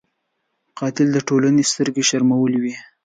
قاتل د ټولنې سترګې شرمولی وي